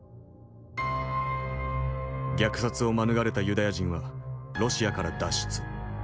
虐殺を免れたユダヤ人はロシアから脱出。